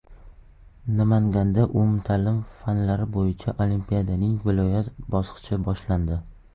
Namanganda umumta’lim fanlari bo‘yicha olimpiadaning viloyat bosqichi boshlandi